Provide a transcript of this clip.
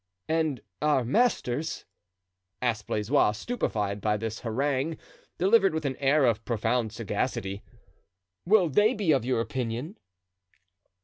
"And our masters?" asked Blaisois, stupefied by this harangue, delivered with an air of profound sagacity, "will they be of your opinion?"